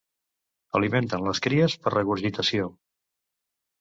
Alimenten les cries per regurgitació.